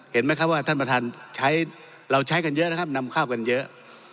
เห็นไหมครับว่าท่านประธานใช้เราใช้กันเยอะนะครับนำข้าวกันเยอะ